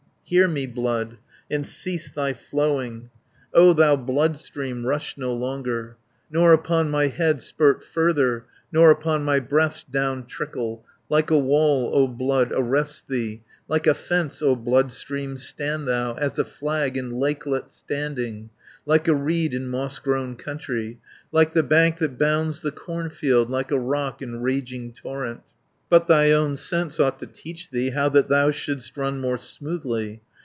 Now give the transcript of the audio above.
"Hear me, Blood, and cease thy flowing, O thou Bloodstream, rush no longer, Nor upon my head spirt further, Nor upon my breast down trickle. Like a wall, O Blood, arrest thee, Like a fence, O Bloodstream, stand thou, As a flag in lakelet standing, Like a reed in moss grown country, 350 Like the bank that bounds the cornfield, Like a rock in raging torrent. "But thy own sense ought to teach thee How that thou should'st run more smoothly.